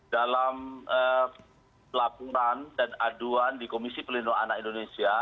dalam pelakuan dan aduan di komisi pelindungan anak indonesia